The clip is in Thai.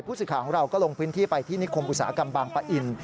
สื่อของเราก็ลงพื้นที่ไปที่นิคมอุตสาหกรรมบางปะอิน